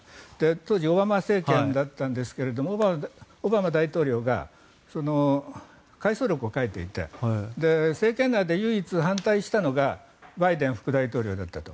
当時、オバマ政権だったんですがオバマ大統領が回想録を書いていて政権内で唯一反対したのがバイデン副大統領だったと。